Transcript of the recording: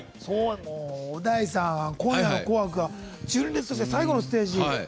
小田井さん、今夜の「紅白」は純烈として最後のステージ。